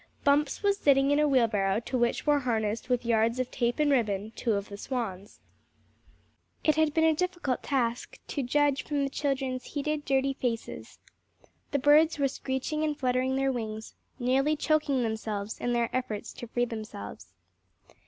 Bumps was sitting in a wheelbarrow to which were harnessed with yards of tape and ribbon, two of the swans. It had been a difficult task, to judge from the children's heated, dirty faces. The birds were screeching and fluttering their wings, nearly choking themselves in their efforts to free themselves.